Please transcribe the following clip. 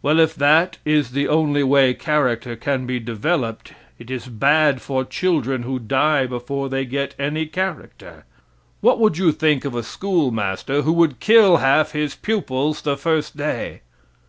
Well, if that is the only way character can be developed it is bad for children who die before they get any character. What would you think of a school master who would kill half his pupils the first day?